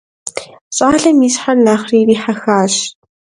Щӏалэм и щхьэр нэхъри ирихьэхащ.